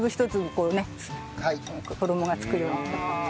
こうね衣がつくように。